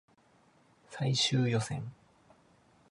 最終予選